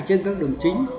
trên các đường chính